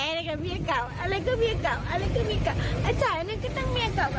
อะไรก็เมียเก่าอะไรก็เมียเก่าไอ้จ่ายนั้นก็ตั้งเมียเก่า